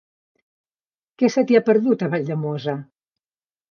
Què se t'hi ha perdut, a Valldemossa?